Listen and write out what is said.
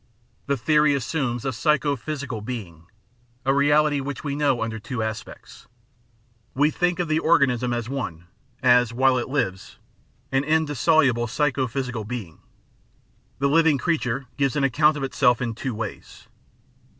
The theory assumes a psycho physical being — ^a reality which we know under two aspects ; 548 The Outline of Science we think of the organism as one ; as, while it lives, an indis soluble psycho physical being. ... The living creature gives an account of itself in two ways.